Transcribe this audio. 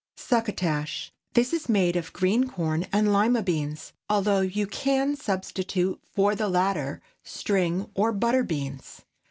SUCCOTASH. This is made of green corn and Lima beans, although you can substitute for the latter string or butter beans.